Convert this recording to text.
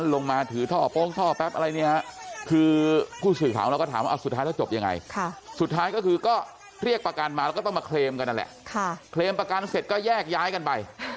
เราก็ต้องมาเคลมกันนั่นแหละเคลมประกันเสร็จก็แยกย้ายกันไป